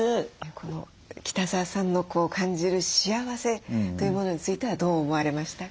この北澤さんの感じる幸せというものについてはどう思われましたか？